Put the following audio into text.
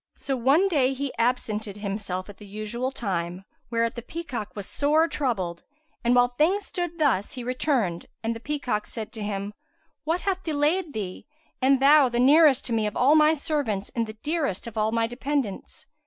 So one day he absented himself at the usual time, whereat the peacock was sore troubled; and, while things stood thus, he returned and the peacock said to him, "What hath delayed thee, and thou the nearest to me of all my servants and the dearest of all my dependents?"